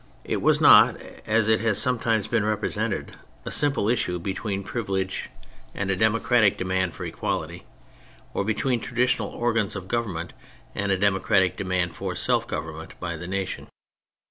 It was not, as it has sometimes been repre sented, a simple issue between privilege and 84 THE FRENCH REVOLUTION a democratic demand for equality, or between traditional organs of government and a de mocratic demand for self government by the nation.